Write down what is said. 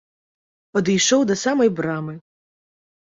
Падышоў да самай брамы.